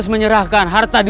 sendika gusti prabu